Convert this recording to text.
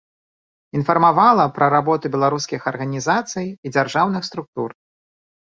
Інфармавала пра работу беларускіх арганізацый і дзяржаўных структур.